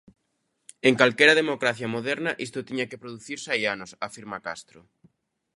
"En calquera democracia moderna isto tiña que producirse hai anos", afirma Castro.